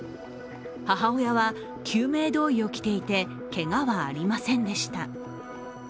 母親は救命胴衣を着ていてけがはありませんでした。